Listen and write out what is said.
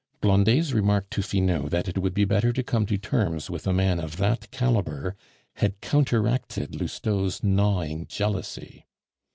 Blondet's remark to Finot that it would be better to come to terms with a man of that calibre, had counteracted Lousteau's gnawing jealousy.